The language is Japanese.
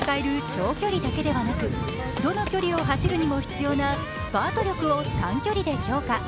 長距離だけではなくどの距離を走るのにも必要なスパート力を短距離で強化。